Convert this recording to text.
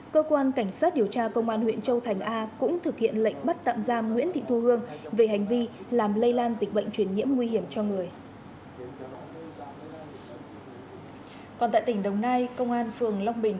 cơ quan cảnh sát điều tra công an huyện châu thành a cũng thực hiện lệnh bắt tạm giam nguyễn thị thu hương về hành vi làm lây lan dịch bệnh truyền nhiễm nguy hiểm cho người